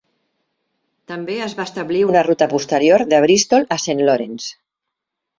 També es va establir una ruta posterior de Bristol a Saint Lawrence.